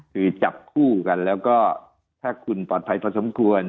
คือจับคู่กันแล้วก็ถ้าคุณปลอดภัยพอสมควร